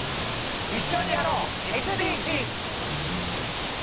一緒にやろう、ＳＤＧｓ。